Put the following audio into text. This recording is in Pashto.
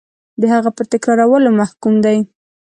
د هغه په تکرارولو محکوم دی.